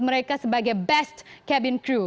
mereka sebagai best cabin crew